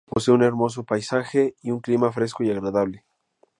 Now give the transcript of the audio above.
Posee un hermoso paisaje natural y un clima fresco y agradable.